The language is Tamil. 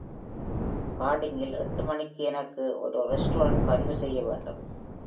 Harding-ல் எட்டு மணிக்கு எனக்கு ஒரு ரெஸ்டாரெண்ட் பதிவு செய்ய வேண்டும்.